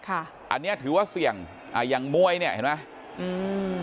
อันเนี้ยถือว่าเสี่ยงอ่าอย่างมวยเนี่ยเห็นไหมอืม